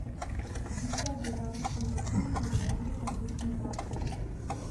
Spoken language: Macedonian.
Успеав да завршам на време благодарение на тесниот распоред.